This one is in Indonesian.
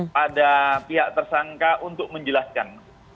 pada pihak tersangka untuk menjelaskan